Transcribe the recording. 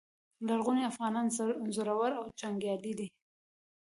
لرغوني افغانان زړور او جنګیالي وو